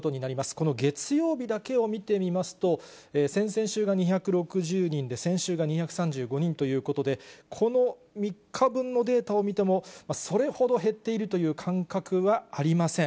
この月曜日だけを見てみますと、先々週が２６０人で、先週が２３５人ということで、この３日分のデータを見ても、それほど減っているという感覚はありません。